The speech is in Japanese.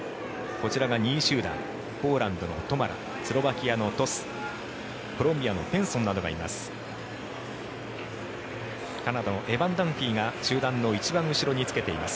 こちらが２位集団ポーランドのトマラスロバキアのトスコロンビアのピンソンなどがいます。